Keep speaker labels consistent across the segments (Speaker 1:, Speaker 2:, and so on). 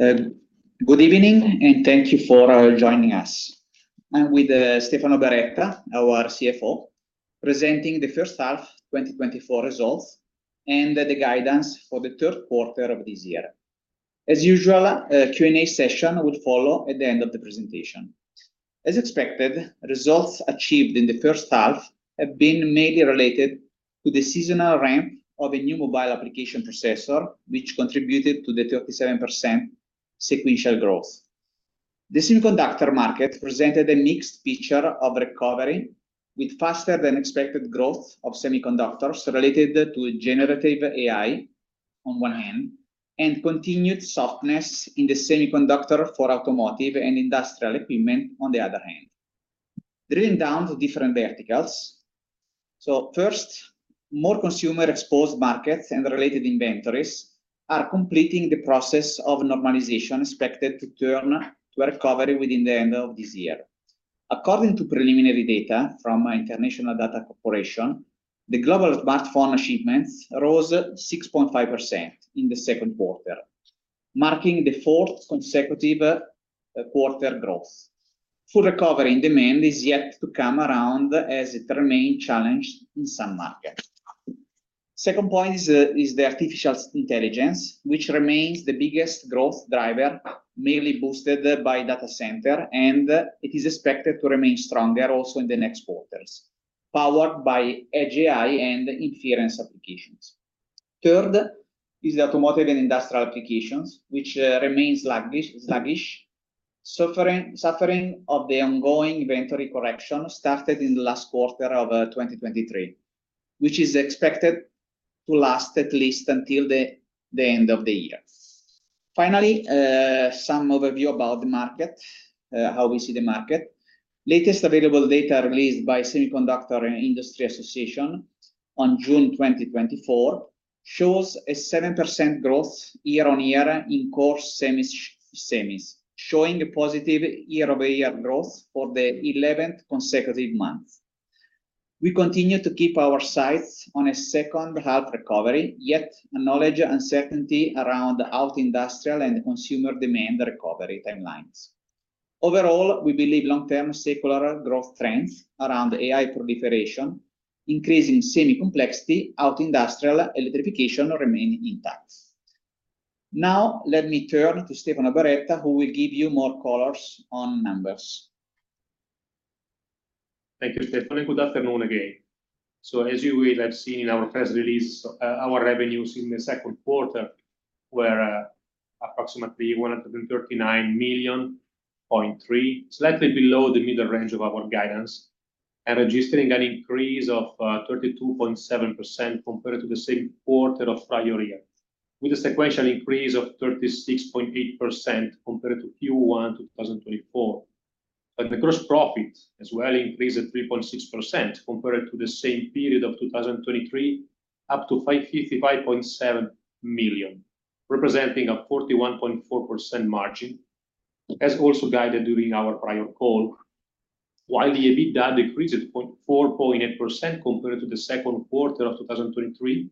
Speaker 1: Good evening, and thank you for joining us. I'm with Stefano Beretta, our CFO, presenting the first half 2024 results and the guidance for the third quarter of this year. As usual, a Q&A session will follow at the end of the presentation. As expected, results achieved in the first half have been mainly related to the seasonal ramp of a new mobile application processor, which contributed to the 37% sequential growth. The semiconductor market presented a mixed picture of recovery, with faster than expected growth of semiconductors related to generative AI on one hand, and continued softness in the semiconductor for automotive and industrial equipment, on the other hand. Drilling down to different verticals. So first, more consumer-exposed markets and related inventories are completing the process of normalization, expected to turn to recovery within the end of this year. According to preliminary data from International Data Corporation, the global smartphone shipments rose 6.5% in the second quarter, marking the fourth consecutive quarter growth. Full recovery in demand is yet to come around as it remain challenged in some markets. Second point is the artificial intelligence, which remains the biggest growth driver, mainly boosted by data center, and it is expected to remain stronger also in the next quarters, powered by Edge AI and inference applications. Third is automotive and industrial applications, which remains sluggish, suffering of the ongoing inventory correction started in the last quarter of 2023, which is expected to last at least until the end of the year. Finally, some overview about the market, how we see the market. Latest available data released by Semiconductor Industry Association on June 2024 shows 7% growth year-on-year in core semis, showing a positive year-over-year growth for the 11th consecutive month. We continue to keep our sights on a second half recovery, yet acknowledge uncertainty around the auto industrial and consumer demand recovery timelines. Overall, we believe long-term secular growth trends around the AI proliferation, increasing semi complexity, auto industrial, electrification remain intact. Now, let me turn to Stefano Berretta, who will give you more color on numbers.
Speaker 2: Thank you, Stefano, good afternoon again. As you will have seen in our press release, our revenues in the second quarter were approximately 139.3 million, slightly below the middle range of our guidance, and registering an increase of 32.7% compared to the same quarter of prior year, with a sequential increase of 36.8% compared to Q1 2024. The gross profit as well increased at 3.6% compared to the same period of 2023, up to 55.7 million, representing a 41.4% margin, as also guided during our prior call, while the EBITDA decreased to -4.8% compared to the second quarter of 2023,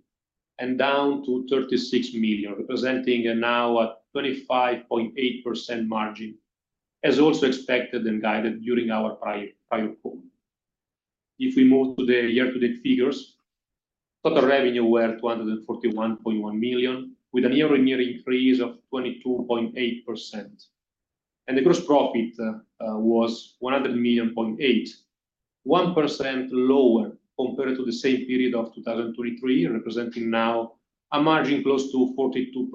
Speaker 2: and down to 36 million, representing now a 35.8% margin, as also expected and guided during our prior call. If we move to the year-to-date figures, total revenue were 241.1 million, with a year-on-year increase of 22.8%. The gross profit was 100.8 million, 1% lower compared to the same period of 2023, representing now a margin close to 42%.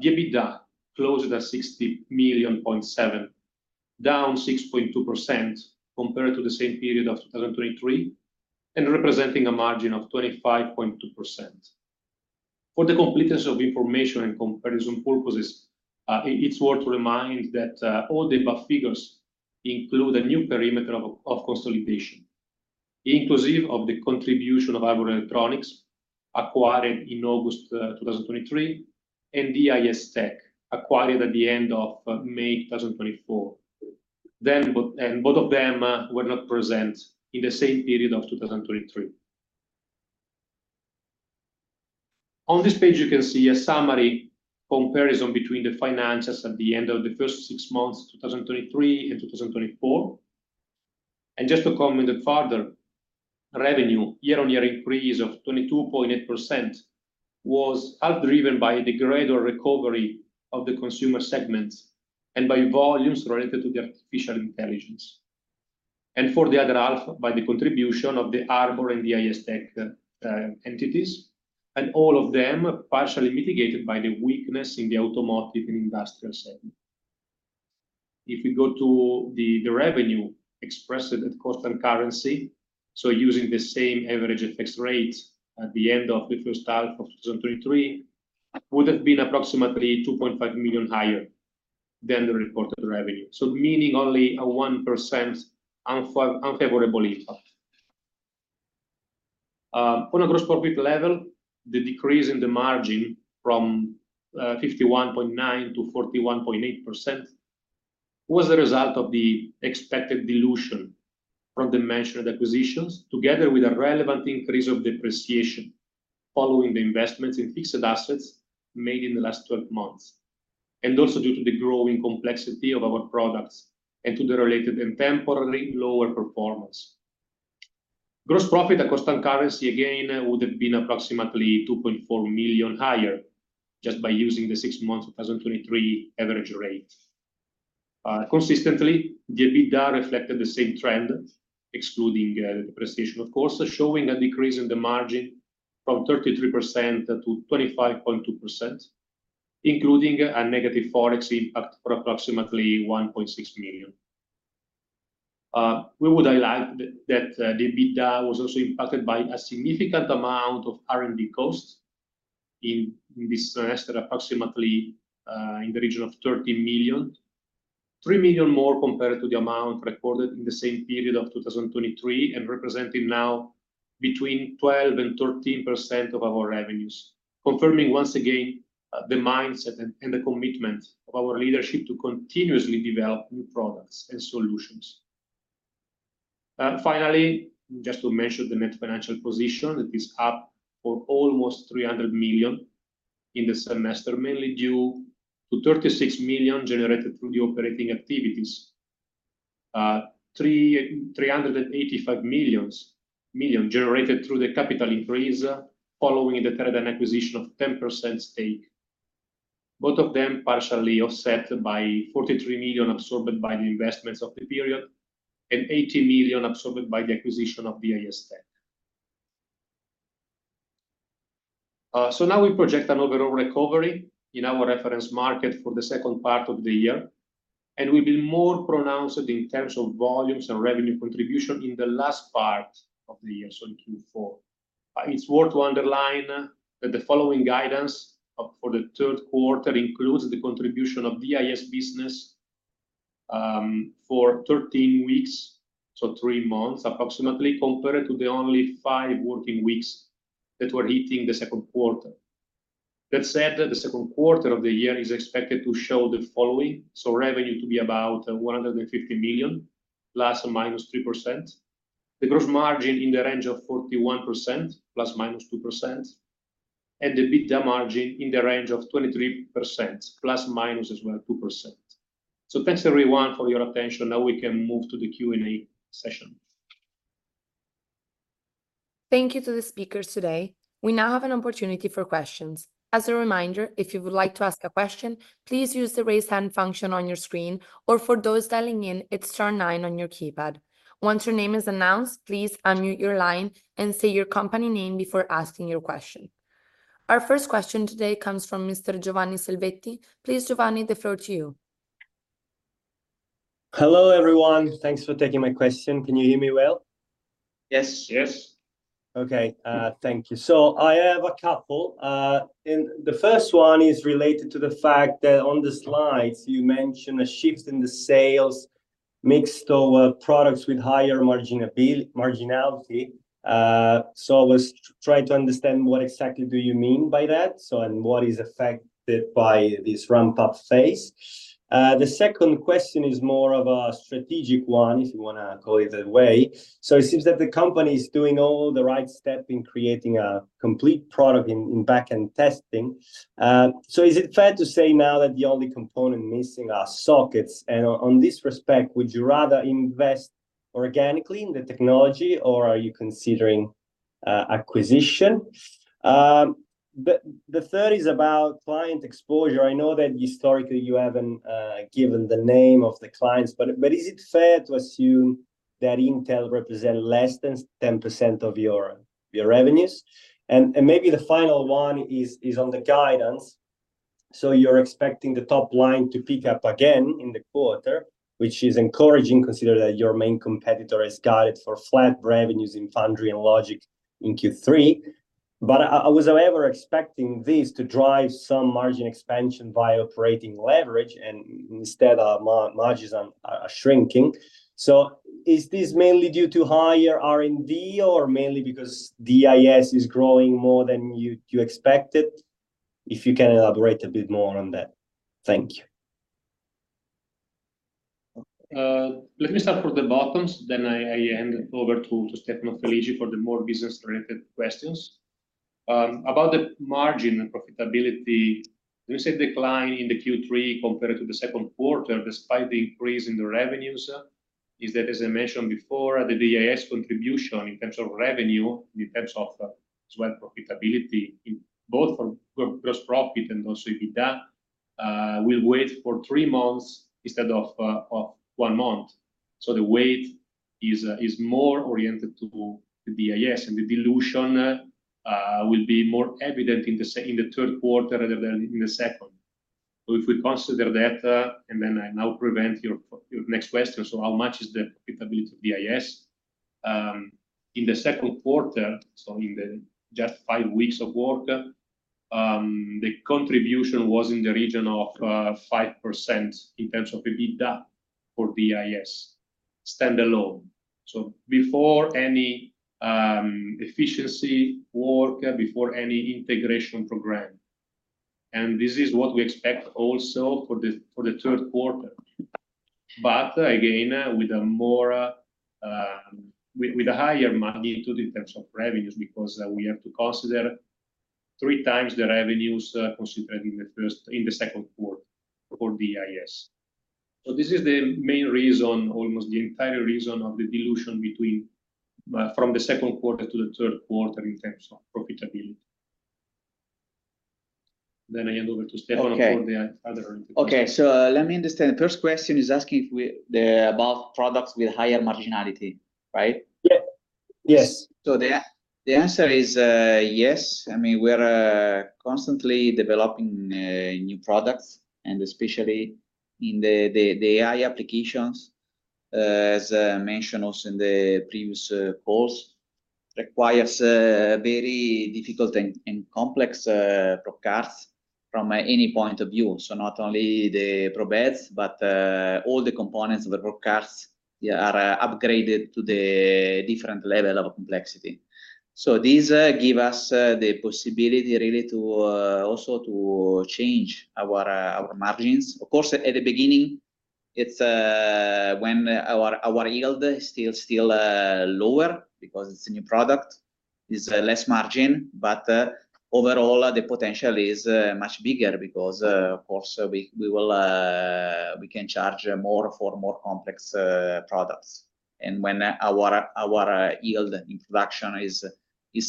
Speaker 2: The EBITDA closed at 60.7 million, down 6.2% compared to the same period of 2023, and representing a margin of 25.2%. For the completeness of information and comparison purposes, it's worth to remind that, all the above figures include a new perimeter of consolidation, inclusive of the contribution of Harbor Electronics, acquired in August 2023, and DIS Tech, acquired at the end of May 2024. And both of them were not present in the same period of 2023. On this page, you can see a summary comparison between the financials at the end of the first six months, 2023 and 2024. Just to comment further, revenue year-on-year increase of 22.8% was half driven by the greater recovery of the consumer segment and by volumes related to the artificial intelligence, and for the other half, by the contribution of the Harbor and DIS Tech entities, and all of them partially mitigated by the weakness in the automotive and industrial segment. If we go to the revenue expressed at constant currency, so using the same average and fixed rates at the end of the first half of 2023, would have been approximately 2.5 million higher than the reported revenue, so meaning only a 1% unfavorable impact. On a gross profit level, the decrease in the margin from 51.9% to 41.8%... Was the result of the expected dilution from the mentioned acquisitions, together with a relevant increase of depreciation following the investments in fixed assets made in the last 12 months, and also due to the growing complexity of our products and to the related and temporarily lower performance. Gross profit at constant currency, again, would have been approximately 2.4 million higher just by using the six months of 2023 average rate. Consistently, the EBITDA reflected the same trend, excluding depreciation, of course, showing a decrease in the margin from 33% to 25.2%, including a negative forex impact for approximately 1.6 million. We would highlight that the EBITDA was also impacted by a significant amount of R&D costs in this semester, approximately in the region of 13 million. 3 million more compared to the amount recorded in the same period of 2023, and representing now between 12% and 13% of our revenues. Confirming once again, the mindset and the commitment of our leadership to continuously develop new products and solutions. Finally, just to mention the net financial position, it is up for almost 300 million in the semester, mainly due to 36 million generated through the operating activities. 385 million generated through the capital increase, following the Teradyne acquisition of 10% stake, both of them partially offset by 43 million absorbed by the investments of the period, and 18 million absorbed by the acquisition of DIS Tech. So now we project an overall recovery in our reference market for the second part of the year, and will be more pronounced in terms of volumes and revenue contribution in the last part of the year, so in Q4. It's worth to underline that the following guidance for the third quarter includes the contribution of DIS business for 13 weeks, so 3 months approximately, compared to the only 5 working weeks that were hitting the second quarter. That said, the second quarter of the year is expected to show the following: so revenue to be about 150 million ±3%; the gross margin in the range of 41% ±2%; and the EBITDA margin in the range of 23% ±2%. So thanks, everyone, for your attention. Now we can move to the Q&A session.
Speaker 3: Thank you to the speakers today. We now have an opportunity for questions. As a reminder, if you would like to ask a question, please use the Raise Hand function on your screen, or for those dialing in, it's star nine on your keypad. Once your name is announced, please unmute your line and say your company name before asking your question. Our first question today comes from Mr. Giovanni Selvetti. Please, Giovanni, the floor to you.
Speaker 4: Hello, everyone. Thanks for taking my question. Can you hear me well?
Speaker 1: Yes.
Speaker 2: Yes.
Speaker 4: Okay, thank you. So I have a couple, and the first one is related to the fact that on the slides you mentioned a shift in the sales mix toward products with higher marginality. So I was trying to understand what exactly do you mean by that, so, and what is affected by this ramp-up phase? The second question is more of a strategic one, if you wanna call it that way. So it seems that the company is doing all the right step in creating a complete product in, in backend testing. So is it fair to say now that the only component missing are sockets? And on, on this respect, would you rather invest organically in the technology, or are you considering, acquisition? The, the third is about client exposure. I know that historically you haven't given the name of the clients, but is it fair to assume that Intel represent less than 10% of your revenues? And maybe the final one is on the guidance. So you're expecting the top line to pick up again in the quarter, which is encouraging, considering that your main competitor has guided for flat revenues in Foundry and Logic in Q3. But I was however expecting this to drive some margin expansion by operating leverage, and instead, margins are shrinking. So is this mainly due to higher R&D, or mainly because DIS is growing more than you expected? If you can elaborate a bit more on that. Thank you.
Speaker 2: Let me start with the bottoms, then I hand over to Stefano Felici for the more business-related questions. About the margin and profitability, there's a decline in the Q3 compared to the second quarter, despite the increase in the revenues. It's that, as I mentioned before, the DIS contribution in terms of revenue, in terms of as well, profitability, in both for gross profit and also EBITDA, will weigh for three months instead of one month. So the weight is more oriented to the DIS, and the dilution will be more evident in the third quarter, rather than in the second. So if we consider that, and then I now preempt your next question, so how much is the profitability of DIS? In the second quarter, so in the just 5 weeks of work, the contribution was in the region of 5% in terms of EBITDA for DIS standalone, so before any efficiency work, before any integration program... and this is what we expect also for the third quarter. But again, with a higher margin in terms of revenues, because we have to consider 3 times the revenues considered in the second quarter for DIS. So this is the main reason, almost the entire reason of the dilution between from the second quarter to the third quarter in terms of profitability. Then I hand over to Stefano-
Speaker 1: Okay.
Speaker 2: for the other questions.
Speaker 1: Okay, so, let me understand. The first question is asking if we- the about products with higher marginality, right?
Speaker 2: Yeah. Yes.
Speaker 1: So the answer is, yes. I mean, we're constantly developing new products, and especially in the AI applications, as mentioned also in the previous calls, requires very difficult and complex probe cards from any point of view. So not only the probe heads, but all the components of the probe cards, yeah, are upgraded to the different level of complexity. So these give us the possibility really to also change our margins. Of course, at the beginning, it's when our yield is still lower because it's a new product, is less margin. But overall, the potential is much bigger because also we can charge more for more complex products. And when our yield introduction is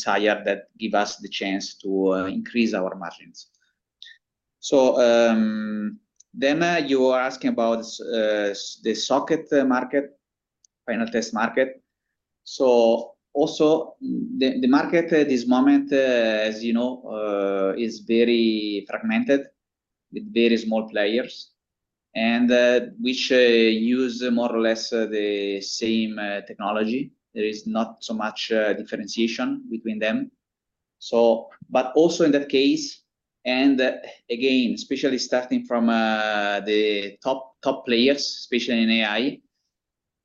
Speaker 1: higher, that gives us the chance to increase our margins. So, then, you are asking about the socket market, final test market. So also, the market at this moment, as you know, is very fragmented with very small players, and which use more or less the same technology. There is not so much differentiation between them. So, but also in that case, and again, especially starting from the top players, especially in AI,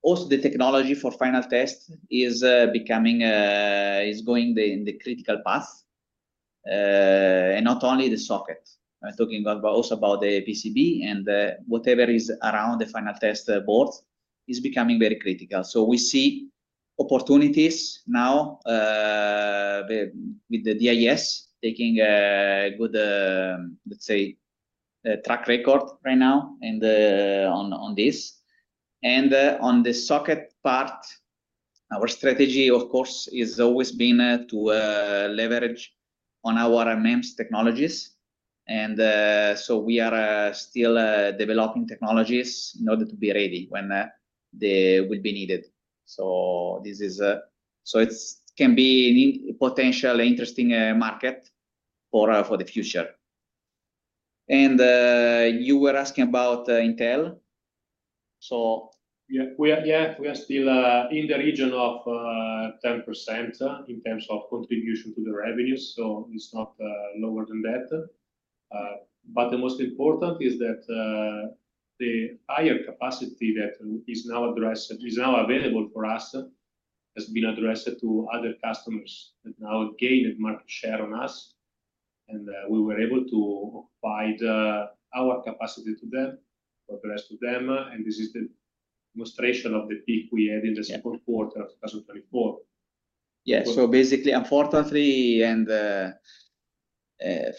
Speaker 1: also the technology for final test is becoming is going in the critical path. And not only the socket I'm talking about, but also about the PCB and whatever is around the final test board is becoming very critical. So we see opportunities now with the DIS taking a good, let's say, track record right now in the on this. And on the socket part, our strategy, of course, has always been to leverage on our MEMS technologies. And so we are still developing technologies in order to be ready when they will be needed. So this is... So it can be an interesting potential market for the future. And you were asking about Intel? So-
Speaker 2: Yeah, we are still in the region of 10% in terms of contribution to the revenues, so it's not lower than that. But the most important is that the higher capacity that is now addressed, is now available for us, has been addressed to other customers that now gained market share on us. And we were able to provide our capacity to them, progress to them, and this is the demonstration of the peak we had in the-
Speaker 1: Yeah...
Speaker 2: second quarter of 2024.
Speaker 1: Yeah. So basically, unfortunately, and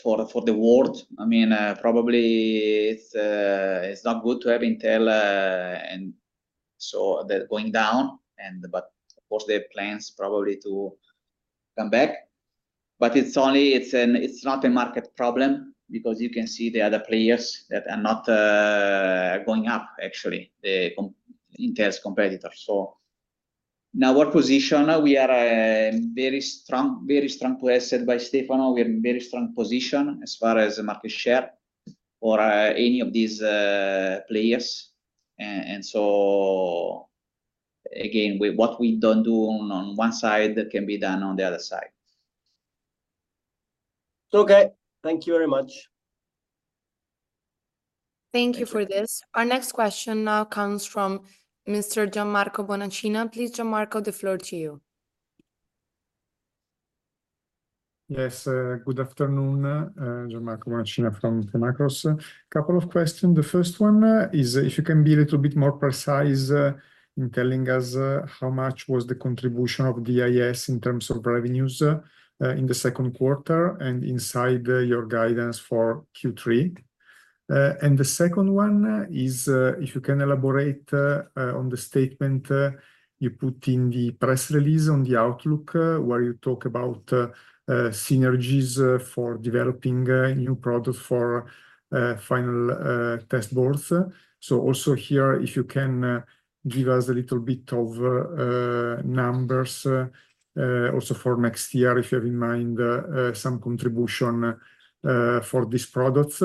Speaker 1: for the world, I mean, probably it's not good to have Intel, and so they're going down and... But of course, they have plans probably to come back. But it's only, it's not a market problem because you can see the other players that are not going up, actually, the competitors, Intel's competitors. So in our position, we are a very strong, very strong player. As said by Stefano, we are in very strong position as far as the market share for any of these players. And so again, with what we don't do on one side, that can be done on the other side.
Speaker 4: So okay, thank you very much.
Speaker 3: Thank you for this. Our next question now comes from Mr. Gianmarco Bonacina. Please, Gianmarco, the floor to you.
Speaker 5: Yes, good afternoon, Gianmarco Bonacina from Equita. Couple of questions. The first one is if you can be a little bit more precise in telling us how much was the contribution of DIS in terms of revenues in the second quarter and inside your guidance for Q3? And the second one is if you can elaborate on the statement you put in the press release on the outlook where you talk about synergies for developing new products for final test boards. So also here, if you can give us a little bit of numbers also for next year, if you have in mind some contribution for these products.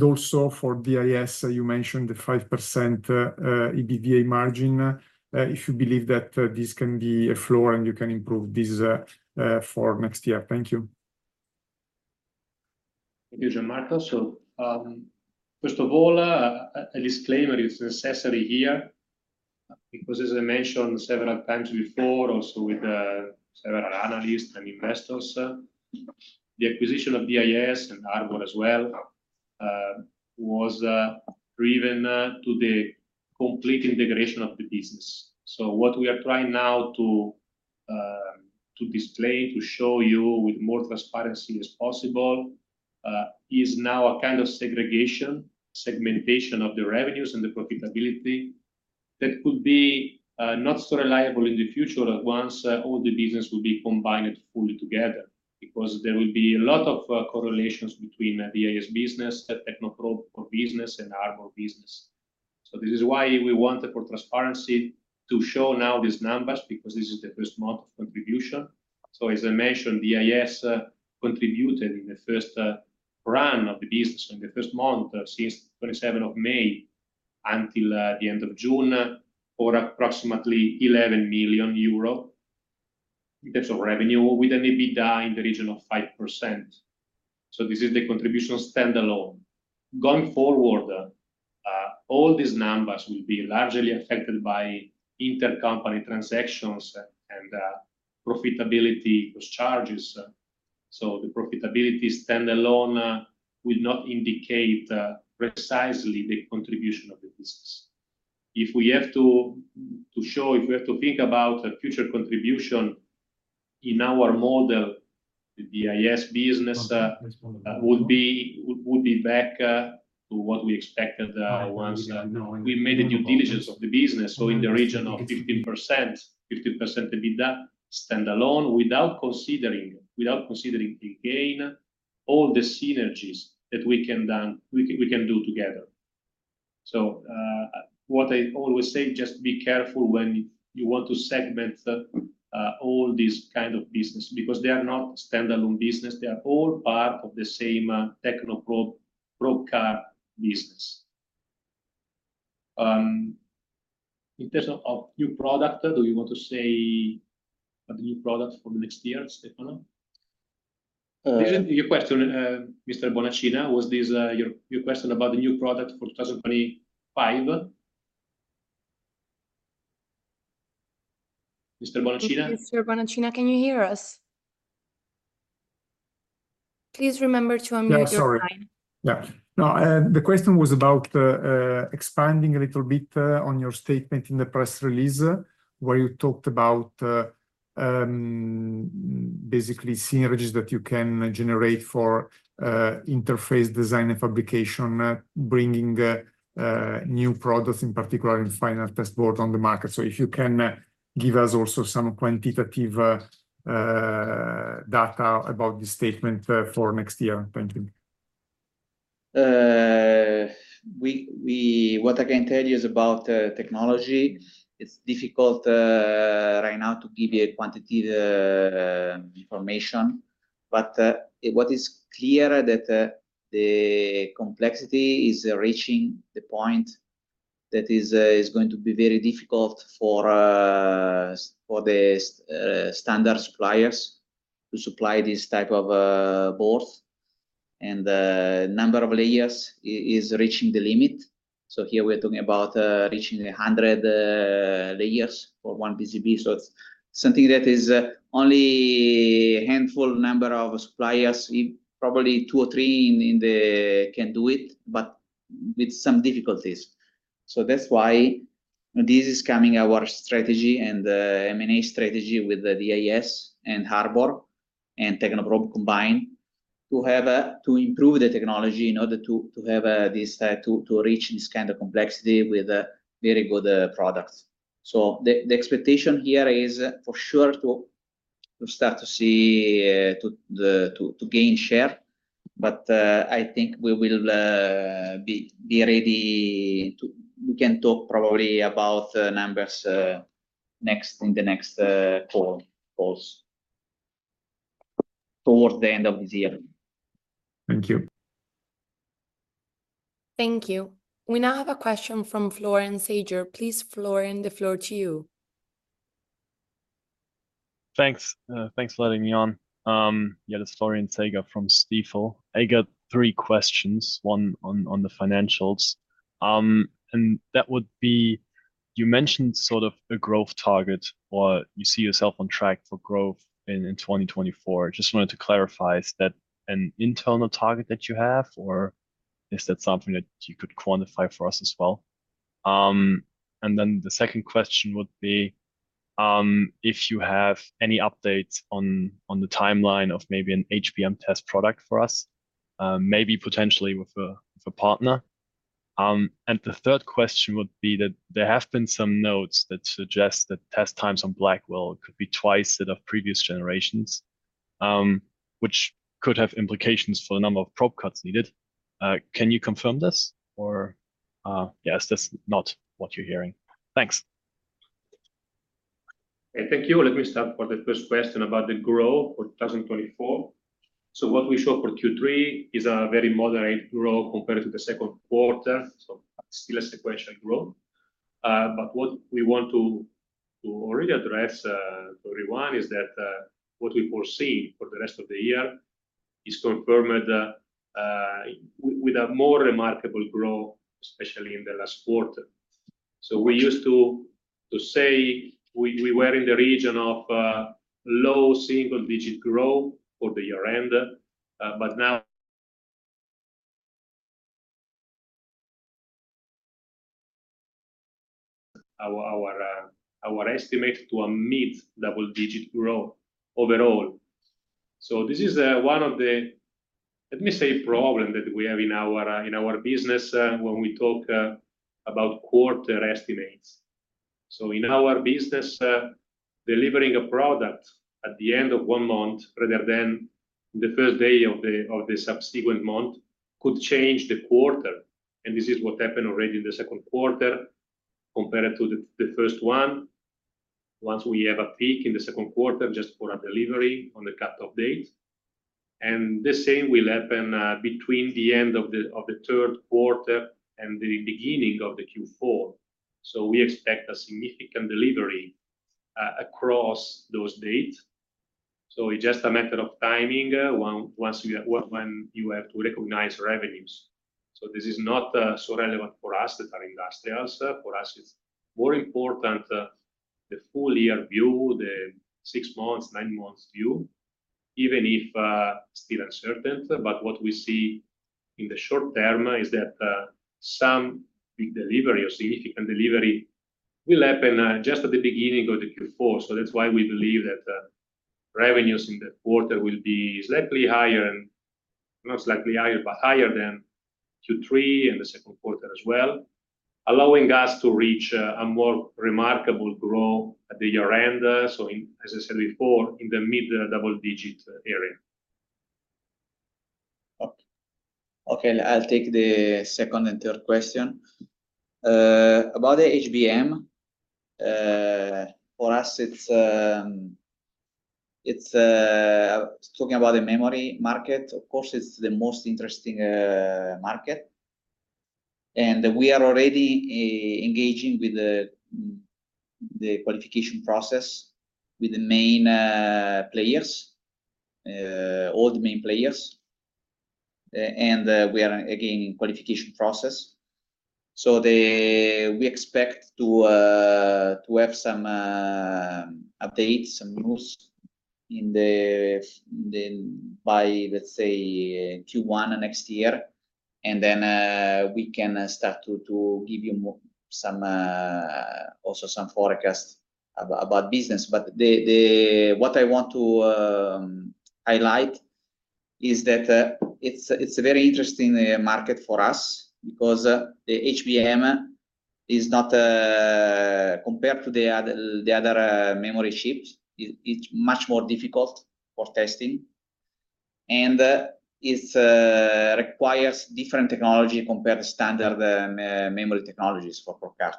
Speaker 5: Also, for DIS, you mentioned the 5% EBITDA margin. If you believe that this can be a floor and you can improve this for next year. Thank you.
Speaker 2: Thank you, Gianmarco. So, first of all, a disclaimer is necessary here. Because as I mentioned several times before, also with several analysts and investors, the acquisition of DIS and Harbor as well, was driven to the complete integration of the business. So what we are trying now to display, to show you with more transparency as possible, is now a kind of segregation, segmentation of the revenues and the profitability that could be not so reliable in the future, at once all the business will be combined fully together. Because there will be a lot of correlations between the DIS business, the Technoprobe business, and Harbor business. So this is why we wanted, for transparency, to show now these numbers, because this is the first month of contribution. So as I mentioned, DIS contributed in the first run of the business, in the first month, since 27 of May, until the end of June, for approximately 11 million euro in terms of revenue, with an EBITDA in the region of 5%. So this is the contribution standalone. Going forward, all these numbers will be largely affected by intercompany transactions and profitability charges. So the profitability standalone will not indicate precisely the contribution of the business. If we have to show, if we have to think about a future contribution in our model, the DIS business would be back to what we expected once we made a due diligence of the business, so in the region of 15%. 15% EBITDA standalone, without considering the gain, all the synergies that we can do together. So, what I always say, just be careful when you want to segment all these kind of business, because they are not standalone business, they are all part of the same Technoprobe core business. In terms of new product, do you want to say a new product for next year, Stefano? Your question, Mr. Bonacina, was this your question about the new product for 2025? Mr. Bonacina?
Speaker 3: Mr. Bonacina, can you hear us? Please remember to unmute your line.
Speaker 5: Yeah, sorry. Yeah. No, the question was about expanding a little bit on your statement in the press release, where you talked about basically synergies that you can generate for interface design and fabrication, bringing new products, in particular, in final test board on the market. So if you can give us also some quantitative data about this statement for next year, thank you.
Speaker 1: What I can tell you is about technology. It's difficult right now to give you a quantitative information. But what is clear that the complexity is reaching the point that is going to be very difficult for the standard suppliers to supply this type of boards. And the number of layers is reaching the limit. So here we're talking about reaching 100 layers for one PCB. So it's something that is only a handful number of suppliers, probably two or three in the, can do it, but with some difficulties. So that's why this is coming our strategy and M&A strategy with the DIS and Harbor, and Technoprobe combined, to have a to improve the technology in order to to have this to to reach this kind of complexity with very good products. So the expectation here is for sure to start to see to the to to gain share, but I think we will be be ready to. We can talk probably about the numbers next in the next four quarters. Towards the end of this year.
Speaker 5: Thank you.
Speaker 3: Thank you. We now have a question from Florian Sager. Please, Florian, the floor to you.
Speaker 6: Thanks. Thanks for letting me on. Yeah, it's Florian Sager from Stifel. I got three questions, one on the financials. And that would be, you mentioned sort of a growth target, or you see yourself on track for growth in 2024. Just wanted to clarify, is that an internal target that you have, or is that something that you could quantify for us as well? And then the second question would be, if you have any updates on the timeline of maybe an HBM test product for us, maybe potentially with a partner. And the third question would be that there have been some notes that suggest that test times on Blackwell could be twice that of previous generations, which could have implications for the number of probe cards needed. Can you confirm this? Or, yes, that's not what you're hearing. Thanks.
Speaker 2: Thank you. Let me start with the first question about the growth for 2024. So what we show for Q3 is a very moderate growth compared to the second quarter, so still a sequential growth. But what we want to to already address everyone is that what we foresee for the rest of the year is confirmed with a more remarkable growth, especially in the last quarter. So we used to say we were in the region of low single-digit growth for the year end, but now our estimate to a mid-double-digit growth overall. So this is one of the, let me say, problem that we have in our business when we talk about quarter estimates. So in our business, delivering a product at the end of one month rather than the first day of the subsequent month, could change the quarter, and this is what happened already in the second quarter compared to the first one. Once we have a peak in the second quarter, just for a delivery on the cutoff date. And the same will happen between the end of the third quarter and the beginning of the Q4. So we expect a significant delivery across those dates. So it's just a matter of timing, once, when you have to recognize revenues. So this is not so relevant for us as an industrial. For us, it's more important the full-year view, the six months, nine months view, even if still uncertain. But what we see in the short term is that some big delivery or significant delivery will happen just at the beginning of the Q4. So that's why we believe that revenues in the quarter will be slightly higher, and not slightly higher, but higher than Q3 and the second quarter as well, allowing us to reach a more remarkable growth at the year end, so in, as I said before, in the mid-double-digit area.
Speaker 1: Okay, I'll take the second and third question. About the HBM, for us, it's talking about the memory market, of course, it's the most interesting market, and we are already engaging with the qualification process with the main players, all the main players. And we are, again, in qualification process. So we expect to have some updates, some news by, let's say, Q1 next year, and then we can start to give you more, some also some forecast about business. But the, the... What I want to highlight is that it's a very interesting market for us, because the HBM is not compared to the other memory chips, it's much more difficult for testing, and it requires different technology compared to standard memory technologies for probe card.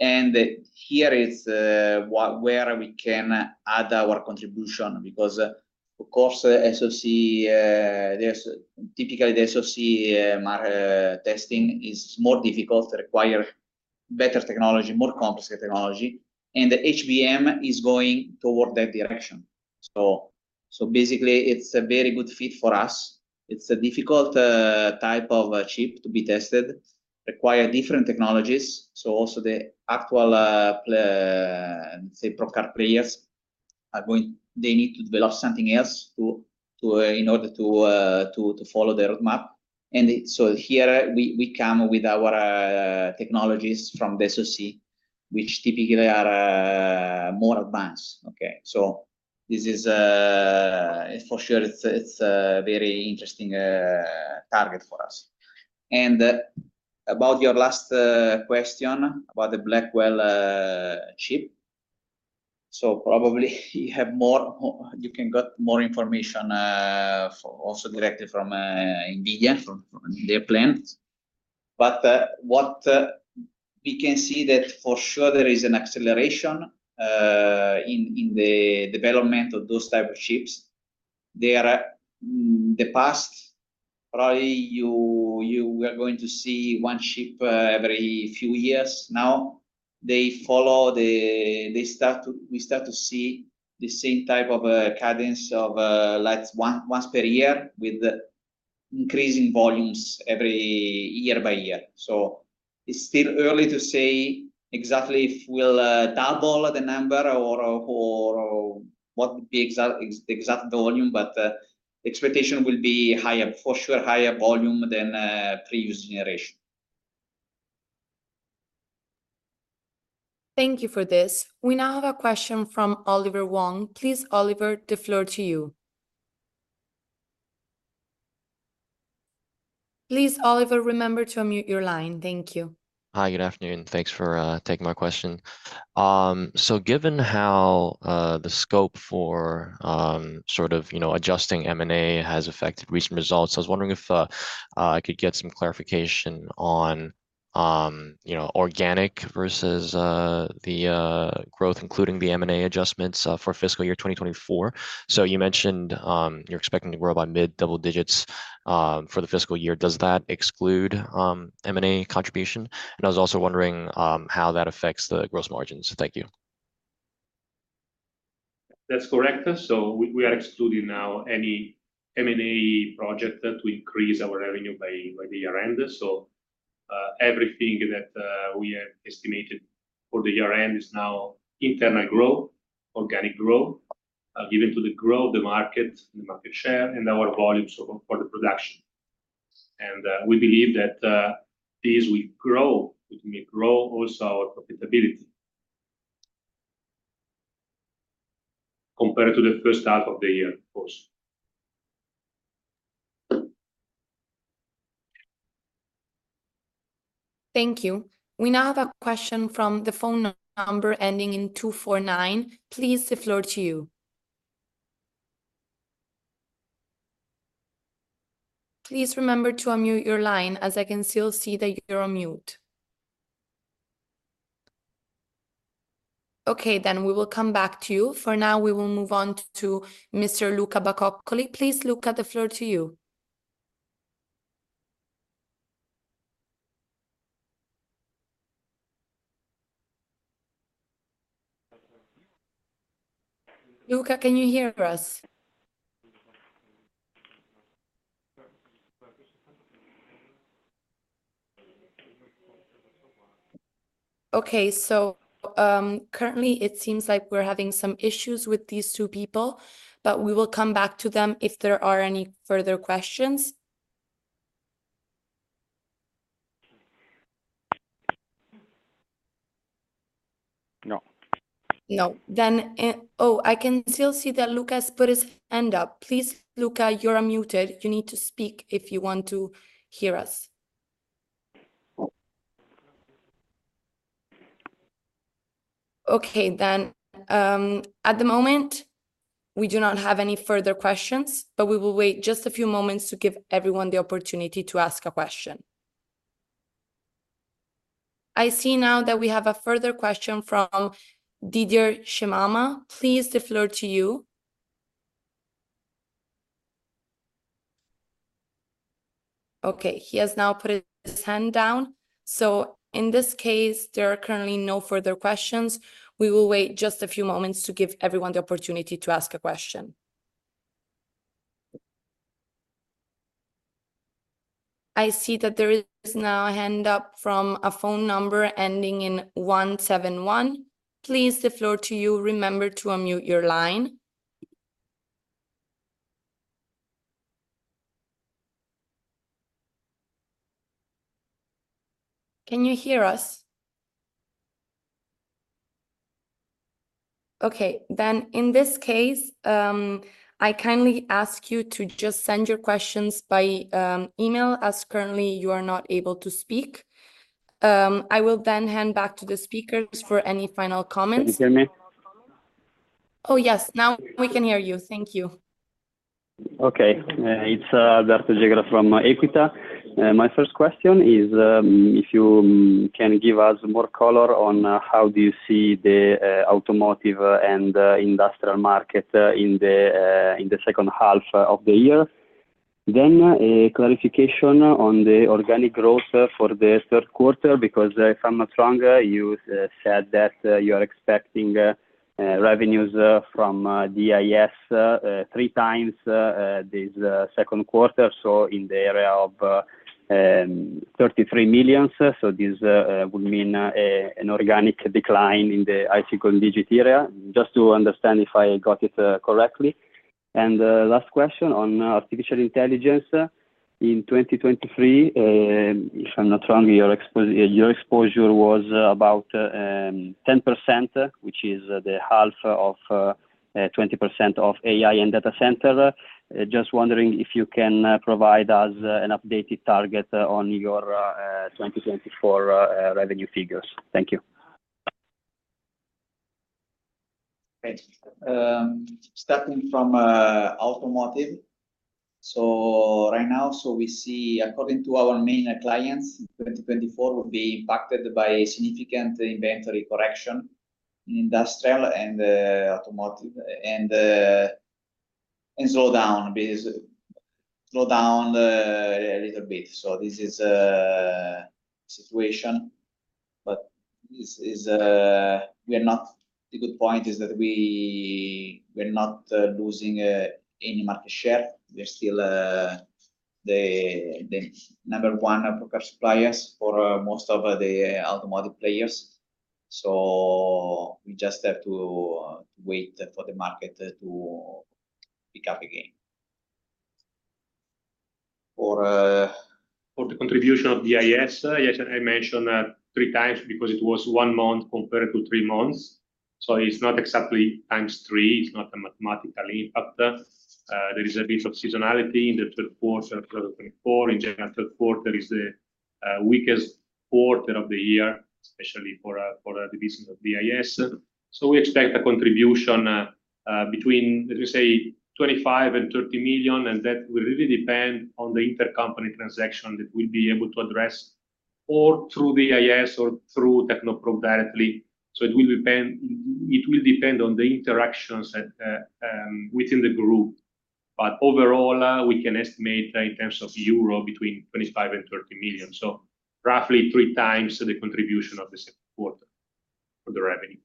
Speaker 1: And here is where we can add our contribution, because of course SOC, there's typically the SOC testing is more difficult, require better technology, more complex technology, and the HBM is going toward that direction. So basically, it's a very good fit for us. It's a difficult type of a chip to be tested, require different technologies, so also the actual say probe card players are going—they need to develop something else to in order to follow the roadmap. And so here we come with our technologies from the SOC, which typically are more advanced, okay? So this is for sure, it's a very interesting target for us. And about your last question about the Blackwell chip, so probably you have more, you can get more information for also directly from NVIDIA, from their plans. But what we can see that for sure there is an acceleration in the development of those type of chips. They are in the past, probably you were going to see one chip every few years. Now, they follow the... we start to see the same type of cadence of like once per year, with increasing volumes every year by year. So it's still early to say exactly if we'll double the number or what the exact volume, but expectation will be higher, for sure higher volume than previous generation.
Speaker 3: Thank you for this. We now have a question from Oliver Wong. Please, Oliver, the floor to you. Please, Oliver, remember to unmute your line. Thank you.
Speaker 7: Hi, good afternoon. Thanks for taking my question. So given how the scope for sort of, you know, adjusting M&A has affected recent results, I was wondering if I could get some clarification on you know, organic versus the growth, including the M&A adjustments for fiscal year 2024. So you mentioned you're expecting to grow by mid-double digits for the fiscal year. Does that exclude M&A contribution? And I was also wondering how that affects the gross margins. Thank you....
Speaker 2: That's correct. So we are excluding now any M&A project that we increase our revenue by the year end. So everything that we have estimated for the year end is now internal growth, organic growth, given to the growth, the market, the market share, and our volumes for the production. And we believe that these will grow, which may grow also our profitability compared to the first half of the year, of course.
Speaker 3: Thank you. We now have a question from the phone number ending in 249. Please, the floor to you. Please remember to unmute your line, as I can still see that you're on mute. Okay, then we will come back to you. For now, we will move on to Mr. Luca Bacoccoli. Please, Luca, the floor to you. Luca, can you hear us? Okay. So, currently, it seems like we're having some issues with these two people, but we will come back to them if there are any further questions.
Speaker 1: No.
Speaker 3: No. Then, oh, I can still see that Luca's put his hand up. Please, Luca, you're on muted. You need to speak if you want to hear us. Okay then, at the moment, we do not have any further questions, but we will wait just a few moments to give everyone the opportunity to ask a question. I see now that we have a further question from Didier Scemama. Please, the floor to you. Okay, he has now put his hand down. So in this case, there are currently no further questions. We will wait just a few moments to give everyone the opportunity to ask a question. I see that there is now a hand up from a phone number ending in 171. Please, the floor to you. Remember to unmute your line. Can you hear us? Okay. Then in this case, I kindly ask you to just send your questions by email, as currently you are not able to speak. I will then hand back to the speakers for any final comments.
Speaker 8: Can you hear me?
Speaker 3: Oh, yes. Now we can hear you. Thank you.
Speaker 8: Okay. It's Domenico Ghilotti from Equita. My first question is, if you can give us more color on how do you see the automotive and industrial market in the second half of the year? Then, a clarification on the organic growth for the third quarter, because if I'm not wrong, you said that you are expecting revenues from DIS three times this second quarter, so in the area of 33 million. So this would mean an organic decline in the high single digit area. Just to understand if I got it correctly. And last question on artificial intelligence. In 2023, if I'm not wrong, your exposure was about 10%, which is the half of 20% of AI and data center. Just wondering if you can provide us an updated target on your 2024 revenue figures. Thank you.
Speaker 1: Okay. Starting from automotive. So right now, so we see, according to our main clients, 2024 will be impacted by a significant inventory correction in industrial and automotive and slowdown, because slowdown a little bit. So this is a situation, but this is. We are not. The good point is that we, we're not losing any market share. We're still the number one amplifier suppliers for most of the automotive players. So we just have to wait for the market to pick up again.
Speaker 2: For the contribution of DIS, yes, I mentioned three times because it was one month compared to three months. So it's not exactly 3x, it's not a mathematical impact. There is a bit of seasonality in the third quarter of 2024. In general, third quarter is the weakest quarter of the year, especially for the business of DIS. So we expect a contribution between, let me say, 25 million and 30 million, and that will really depend on the intercompany transaction that we'll be able to address, or through DIS or through Technoprobe directly. So it will depend, it will depend on the interactions that within the group. Overall, we can estimate in terms of Euro between 25 million and 30 million. Roughly 3x the contribution of the second quarter for the revenue.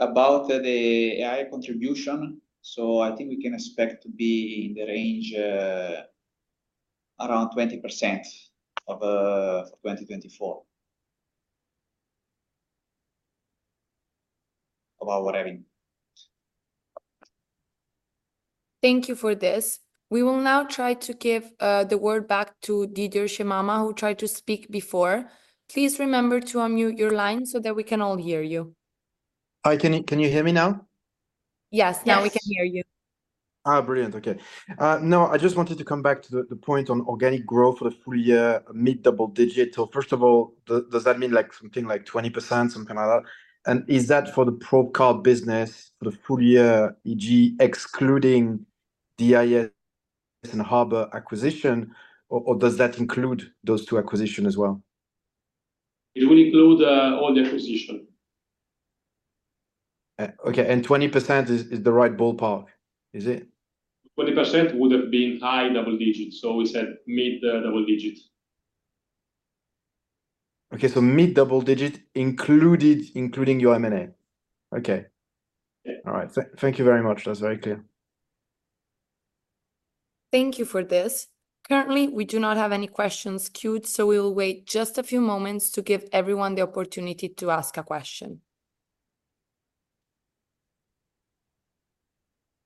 Speaker 2: About the AI contribution, so I think we can expect to be in the range, around 20% of 2024, of our revenue.
Speaker 3: Thank you for this. We will now try to give the word back to Didier Scemama, who tried to speak before. Please remember to unmute your line so that we can all hear you.
Speaker 9: Hi, can you hear me now?
Speaker 3: Yes. Now we can hear you.
Speaker 9: Ah, brilliant. Okay. Now, I just wanted to come back to the point on organic growth for the full-year, mid-double-digit. So first of all, does that mean, like, something like 20%, something like that? And is that for the probe card business for the full-year, e.g., excluding the DIS and Harbor acquisitions, or does that include those two acquisitions as well?
Speaker 2: It will include all the acquisition.
Speaker 9: Okay, and 20% is the right ballpark, is it?
Speaker 2: 20% would have been high double digits, so we said mid-double digits.
Speaker 9: Okay, so mid-double-digit included, including your M&A? Okay.
Speaker 2: Yeah.
Speaker 9: All right. Thank you very much. That's very clear.
Speaker 3: Thank you for this. Currently, we do not have any questions queued, so we will wait just a few moments to give everyone the opportunity to ask a question.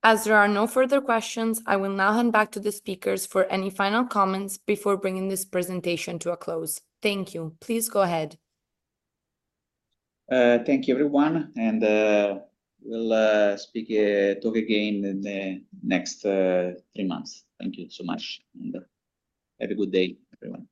Speaker 3: As there are no further questions, I will now hand back to the speakers for any final comments before bringing this presentation to a close. Thank you. Please go ahead.
Speaker 1: Thank you, everyone, and we'll talk again in the next three months. Thank you so much, and have a good day, everyone.